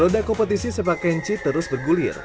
roda kompetisi sepak kenchi terus bergulir